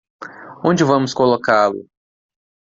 Onde vamos colocá-lo?